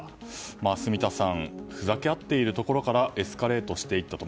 住田さんふざけ合っているところからエスカレートしていったと。